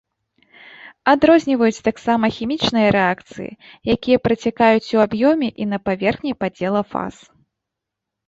Адрозніваюць таксама хімічныя рэакцыі, якія працякаюць у аб'ёме і на паверхні падзела фаз.